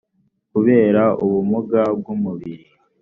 kubera ubumuga bw umubiri